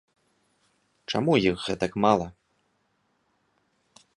Чаму іх гэтак мала?